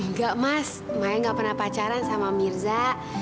enggak mas makanya gak pernah pacaran sama mirza